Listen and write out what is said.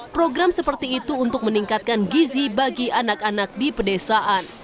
program seperti itu untuk meningkatkan gizi bagi anak anak di pedesaan